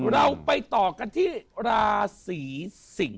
เราไปต่อกันที่ราศีสิง